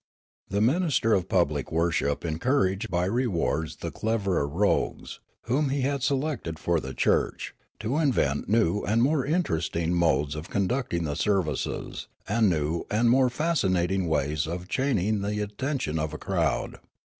The minister of public worship encouraged by rewards the clever rogues, whom he had selected for the church, to invent new and more interesting modes of conducting the services, and new and more fascinat ing ways of chaining the attention of a crowd.